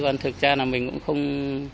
còn thực ra mình cũng không